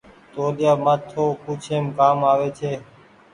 توليآ مآٿو پوڇيم ڪآم آوي ڇي ۔